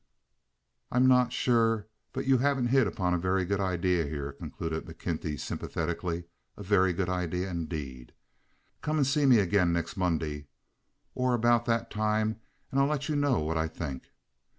"I'm not sure but you haven't hit upon a very good idea here," concluded McKenty, sympathetically. "A very good idea, indeed. Come and see me again next Monday, or about that time, and I'll let you know what I think.